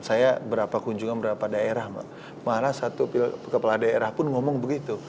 saya berapa kunjungan berapa daerah malah satu kepala daerah pun ngomong begitu